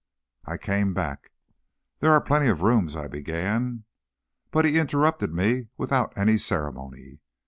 I came back. "There are plenty of rooms " I began. But he interrupted me without any ceremony.